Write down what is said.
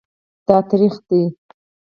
دا تریخ دی